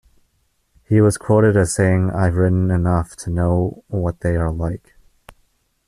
He was quoted as saying "I've ridden enough to know what they are like.